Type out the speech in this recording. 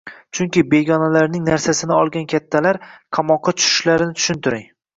chunki begonalarning narsasini olgan kattalar qamoqqa tushishlarini tushuntiring.